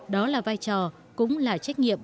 đó là vai trò cũng là trách nhiệm